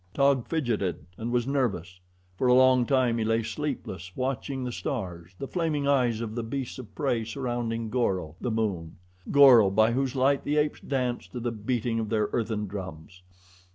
Taug fidgeted and was nervous. For a long time he lay sleepless, watching the stars the flaming eyes of the beasts of prey surrounding Goro, the moon Goro, by whose light the apes danced to the beating of their earthen drums.